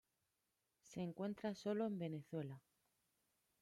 Se encuentra sólo en Venezuela.